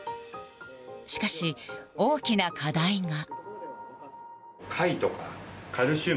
しかし、大きな課題が。